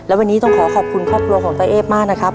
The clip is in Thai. และวันนี้ต้องขอขอบคุณครอบครัวของตาเอฟมากนะครับ